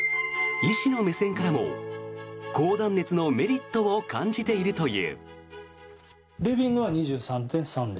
医師の目線からも高断熱のメリットを感じているという。